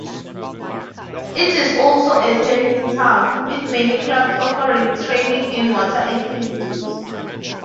It is also a sailing town, with many clubs offering training in water activities.